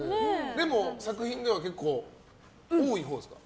でも、作品では結構多いほうですか？